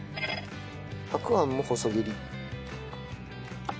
たくあんも細切り。